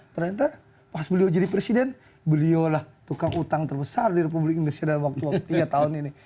ternyata pas beliau jadi presiden beliau adalah tukang utang terbesar di republik indonesia dalam waktu tiga tahun ini